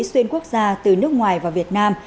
xuyên quốc gia từ nước ngoài và việt nam